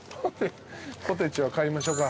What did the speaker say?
ポテチは買いましょか。